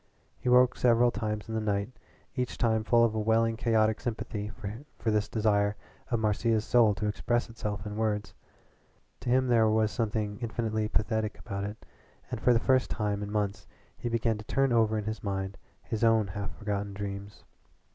He woke several times in the night, each time full of a welling chaotic sympathy for this desire of Marcia's soul to express itself in words. To him there was something infinitely pathetic about it, and for the first time in months he began to turn over in his mind his own half forgotten dreams.